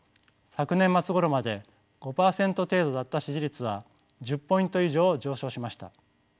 昨年末ごろまで５％程度だった支持率は１０ポイント以上上昇しました。